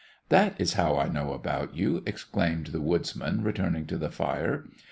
"That is how I know about you," explained the woodsman, returning to the fire.